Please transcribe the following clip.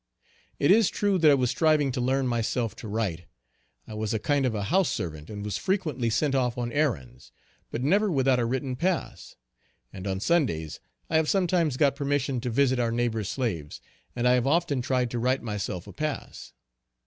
It is true that I was striving to learn myself to write. I was a kind of a house servant and was frequently sent off on errands, but never without a written pass; and on Sundays I have sometimes got permission to visit our neighbor's slaves, and I have often tried to write myself a pass.